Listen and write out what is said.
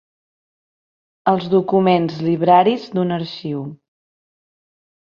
Els documents libraris d'un arxiu.